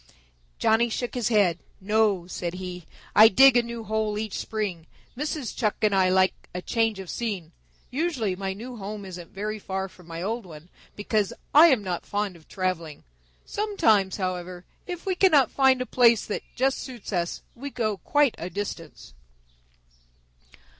Johnny shook his head. "No," said he. "I dig a new hole each spring. Mrs. Chuck and I like a change of scene. Usually my new home isn't very far from my old one, because I am not fond of traveling. Sometimes, however, if we cannot find a place that just suits us, we go quite a distance."